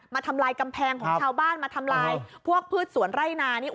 ทำลายกำแพงของชาวบ้านมาทำลายพวกพืชสวนไร่นานี่